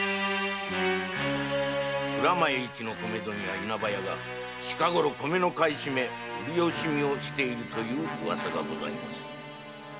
米問屋・稲葉屋が近ごろ買い占め・売り惜しみをしているという噂がございます。